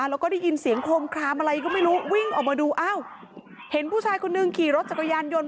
แล้วก็ได้ยินเสียงโครมคลามอะไรก็ไม่รู้วิ่งออกมาดูอ้าวเห็นผู้ชายคนหนึ่งขี่รถจักรยานยนต์